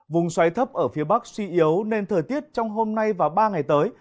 vùng xoáy thấp ở phía bắc suy yếu nên thời tiết trong hôm nay và ba ngày tới